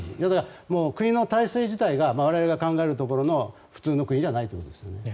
国の体制自体が我々が考えるところの普通の国ではないということですね。